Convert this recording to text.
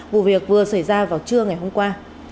vụ việc vừa xảy ra vào trưa ngày hôm qua